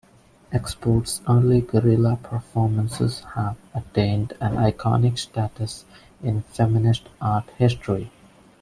Export's early guerrilla performances have attained an iconic status in feminist art history.